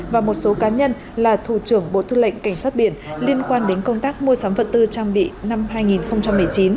và một số cá nhân là thủ trưởng bộ tư lệnh cảnh sát biển liên quan đến công tác mua sắm vật tư trang bị năm hai nghìn một mươi chín